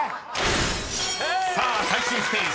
［さあ最終ステージ。